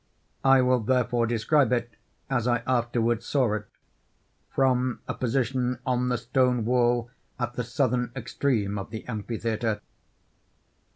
I will therefore describe it as I afterwards saw it—from a position on the stone wall at the southern extreme of the amphitheatre.